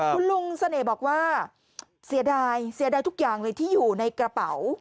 คุณลุงเสน่ห์บอกว่าเสียดายเสียดายทุกอย่างเลยที่อยู่ในกระเป๋า